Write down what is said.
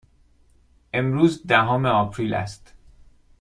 امروز دهم آپریل است.